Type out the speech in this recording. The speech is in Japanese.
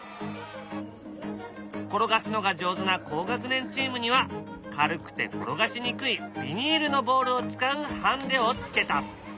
転がすのが上手な高学年チームには軽くて転がしにくいビニールのボールを使うハンデをつけた。